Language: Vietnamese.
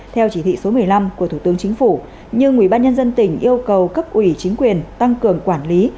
theo chỉ thị số một mươi năm của thủ tướng chính phủ nhưng ubnd tỉnh yêu cầu cấp ủy chính quyền tăng cường quản lý